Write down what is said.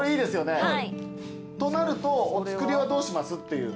となるとお造りはどうします？っていう。